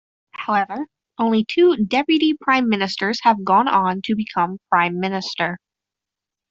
However, only two Deputy Prime Ministers have gone on to become Prime Minister.